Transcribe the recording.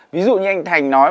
ví dụ như anh thành nói